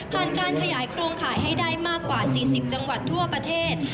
การขยายโครงข่ายให้ได้มากกว่า๔๐จังหวัดทั่วประเทศ